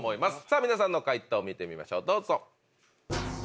皆さんの解答見てみましょうどうぞ。